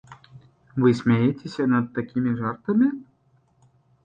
Вы смяецеся над такімі жартамі?